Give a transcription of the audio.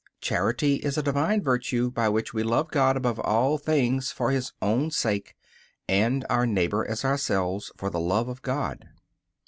Charity is a Divine virtue by which we love God above all things for His own sake, and our neighbor as ourselves for the love of God.